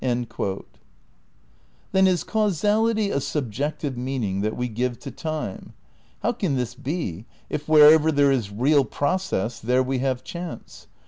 Then is causality a subjective meaning that we give to time? How can this be if wherever there is "reaP' process there we have chance?